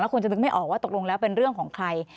คนจะนึกไม่ออกว่าตกลงแล้วเป็นเรื่องของใคร